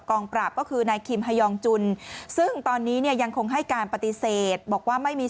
ปราบก็คือนายคิมฮายองจุนซึ่งตอนนี้เนี่ยยังคงให้การปฏิเสธบอกว่าไม่มี